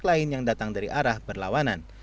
lain yang datang dari arah berlawanan